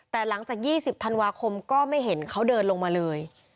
แต่หลังจาก๒๐ธันวาคมก็ไม่เห็นเขาเดินลงมาเลย